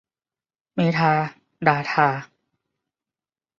เมทาดาทา